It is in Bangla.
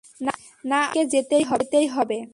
না, আমাদেরকে যেতেই হবে!